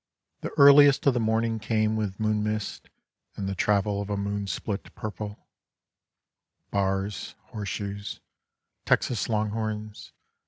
The earliest of the morning came with moon mist And the travel of a moon spilt purple; Bars, horseshoes, Texas longhorns.